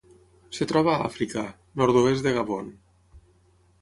Es troba a Àfrica: nord-oest de Gabon.